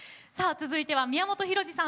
続いては宮本浩次さん